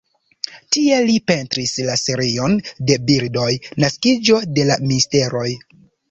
Tie li pentris la serion de bildoj Naskiĝo de la misteroj.